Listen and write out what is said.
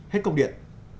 hết công điện